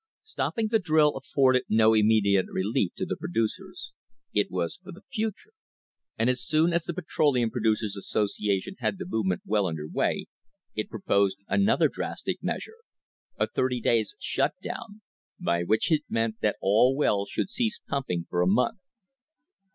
Stopping the drill afforded no immediate relief to the pro ducers. It was for the future. And as soon as the Petroleum Producers' Association had the movement well under way, it proposed another drastic measure — a thirty days' shut down — by which it was meant that all wells should cease pumping for a .month.